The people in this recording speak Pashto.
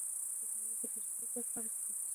دا اړیکه د جاذبې قوې په پایله کې جوړیږي.